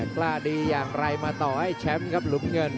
กล้าดีอย่างไรมาต่อให้แชมป์ครับหลุมเงิน